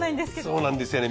そうなんですよね。